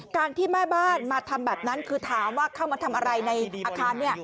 การที่แม่บ้านมาทำแบบนั้นคือถามว่าเข้ามาทำอะไรในอาคาร